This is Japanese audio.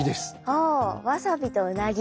ああわさびとうなぎ。